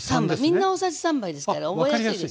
みんな大さじ３杯ですから覚えやすいでしょ。